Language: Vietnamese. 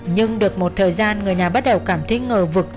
nhưng được một thời gian người nhà bắt đầu cảm thấy ngờ vực